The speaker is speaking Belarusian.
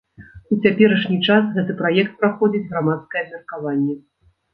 У цяперашні час гэты праект праходзіць грамадскае абмеркаванне.